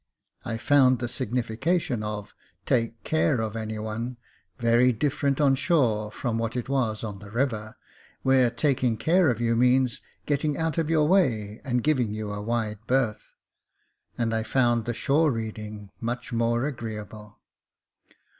I found the signification of " take care of any one " very 14 Jacob Faithful different on shore from what it was on the river, where taking care of you means getting out of your way, and giving you a wide berth ; and I found the shore reading much more agreeable.